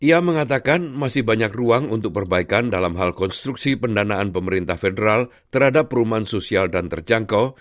ia mengatakan masih banyak ruang untuk perbaikan dalam hal konstruksi pendanaan pemerintah federal terhadap perumahan sosial dan terjangkau